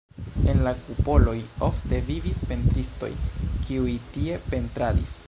En la kupoloj ofte vivis pentristoj, kiuj tie pentradis.